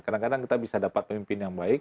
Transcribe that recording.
kadang kadang kita bisa dapat pemimpin yang baik